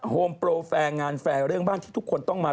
โฮมโปรแฟร์งานแฟร์เรื่องบ้านที่ทุกคนต้องมา